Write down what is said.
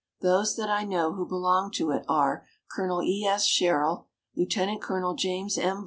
Those that I know who belong to it are Colonel E. S. Sherrill, Lieutenant Colonel James M.